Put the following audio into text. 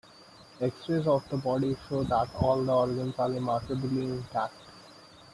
X-rays of the body show that all the organs are remarkably intact.